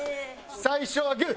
最初はグー！